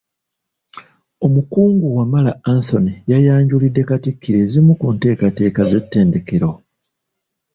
Omukungu Wamala Anthony yayanjulidde Katikkiro ezimu ku nteekateeka z’ettendekero.